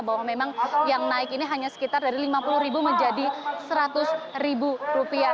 bahwa memang yang naik ini hanya sekitar dari rp lima puluh menjadi rp seratus